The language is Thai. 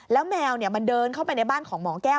แล้วแมวมันเดินเข้าไปในบ้านของหมอแก้ว